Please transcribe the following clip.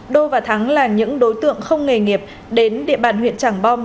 đô và thắng là những đối tượng không nghề nghiệp đến địa bàn huyện tràng bom